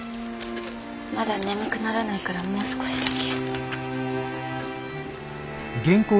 まだ眠くならないからもう少しだけ。